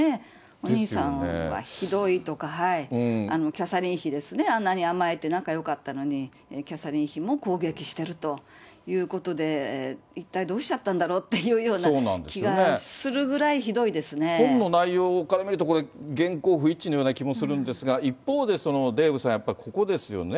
お兄さんはひどいとか、キャサリン妃ですね、あんなに甘えて仲よかったのに、キャサリン妃も攻撃しているということで、一体どうしちゃったんだろうというような気がするぐらい、ひどい本の内容から見ると、言行不一致のような気がするんですが、一方で、デーブさん、やっぱりここですよね。